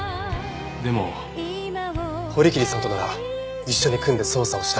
でも堀切さんとなら一緒に組んで捜査をしたい。